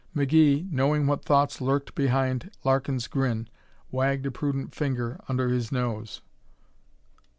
McGee, knowing what thoughts lurked behind Larkin's grin, wagged a prudent finger under his nose.